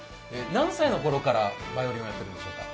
何歳のころからバイオリンをやってるんですか？